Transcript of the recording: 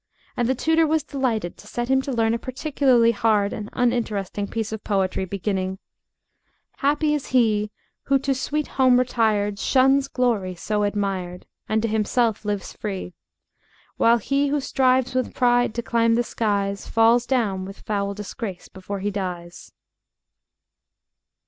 And the tutor was delighted to set him to learn a particularly hard and uninteresting piece of poetry, beginning "Happy is he Who, to sweet home retired, Shuns glory so admired And to himself lives free; While he who strives with pride to climb the skies Falls down with foul disgrace before he dies."